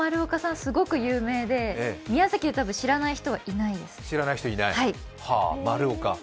すごい有名で宮崎では多分知らない人はいないですね。